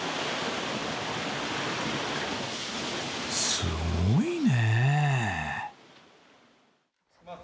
すごいね。